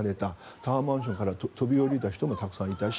タワーマンションから飛び降りた人もたくさんいたし。